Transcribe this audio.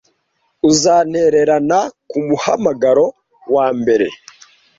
uzantererana kumuhamagaro wambere